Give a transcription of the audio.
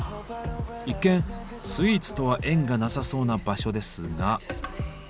一見スイーツとは縁がなさそうな場所ですが。